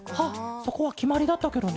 そこはきまりだったケロね。